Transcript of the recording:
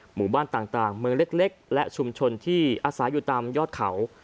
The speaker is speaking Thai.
หมู่บ้านต่างเมืองเล็กและชุมชนที่อาศัยอยู่ตามยอดเขา